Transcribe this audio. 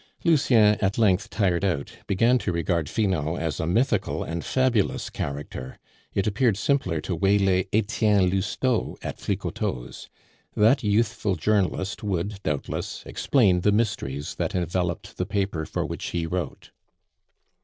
Lucien, at length tired out, began to regard Finot as a mythical and fabulous character; it appeared simpler to waylay Etienne Lousteau at Flicoteaux's. That youthful journalist would, doubtless, explain the mysteries that enveloped the paper for which he wrote.